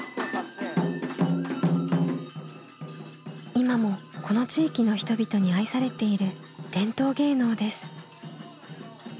今もこの地域の人々に愛されている伝統芸能です。